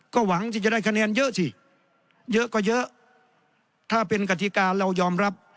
ก็หวังที่จะได้คะแนนเยอะสิเยอะก็เยอะถ้าเป็นกฎิกาเรายอมรับ